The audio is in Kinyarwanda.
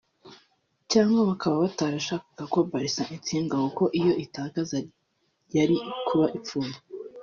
cyangwa bakaba batarashakaga ko Barca itsindwa kuko iyo itakaza yari kuba ipfuye